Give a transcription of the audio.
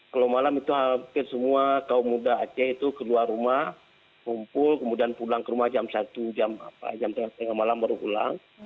kalau malam itu hampir semua kaum muda aceh itu keluar rumah ngumpul kemudian pulang ke rumah jam satu jam setengah malam baru pulang